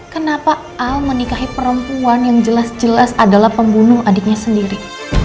kenapa al menikahi perempuan yang jelas jelas adalah pembunuh adiknya sendiri